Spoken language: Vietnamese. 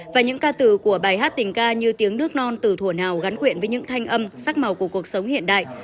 và những ca từ của bài hát tình ca như tiếng nước non từ thủa nào gắn quyện với những thanh âm sắc màu của cuộc sống hiện đại